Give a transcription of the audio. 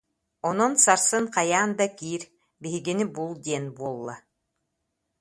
Онон сарсын хайаан да киир, биһигини бул диэн буолла